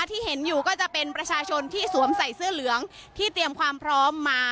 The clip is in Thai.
ที่เห็นอยู่ก็จะเป็นประชาชนที่สวมใส่เสื้อเหลืองที่เตรียมความพร้อมมา